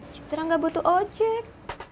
cintra gak butuh ojek